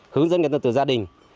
hướng dẫn người dân từ gia đình